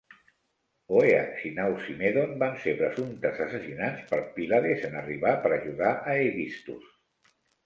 Oeax i Nausimedon van ser presumptament assassinats per Pylades en arribar per ajudar l"Aegisthus.